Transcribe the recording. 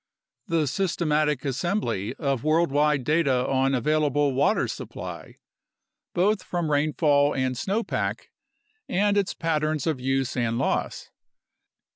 The systematic assembly of worldwide data on available water supply, both from rainfall and snowpack, and its patterns of use and loss.